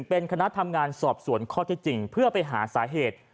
เป็นคณะทำงานสอบสวนข้อที่จริงเพื่อไปหาสาเหตุ